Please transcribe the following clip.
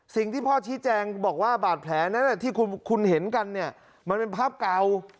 สิ่งที่พ่อชี้แจงบอกว่าบาดแผลนั้นที่คุณเห็นกันเนี่ยมันเป็นภาพเก่า